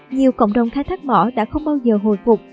nhiều cộng đồng khai thác mỏ đã không bao giờ hồi phục